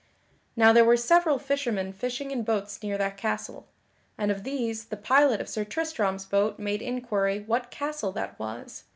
Now there were several fishermen fishing in boats near that castle, and of these the pilot of Sir Tristram's boat made inquiry what castle that was.